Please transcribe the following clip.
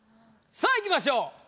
さあいきましょう。